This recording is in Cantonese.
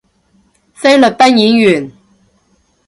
菲律賓演員